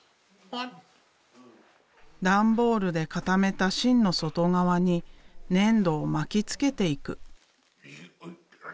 段ボールで固めた芯の外側に粘土を巻きつけていく。